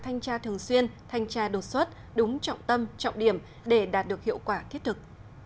thanh tra thường xuyên thanh tra đột xuất đúng trọng tâm trọng điểm để đạt được hiệu quả thiết thực